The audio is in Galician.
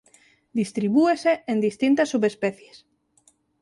Distribúese en distintas subespecies.